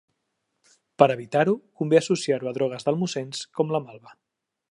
Per a evitar-ho, convé associar-ho a drogues demulcents com la malva.